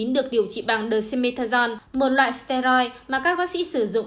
được điều trị bằng dexamethasone một loại steroid mà các bác sĩ sử dụng